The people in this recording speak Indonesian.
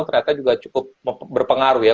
ternyata juga cukup berpengaruh ya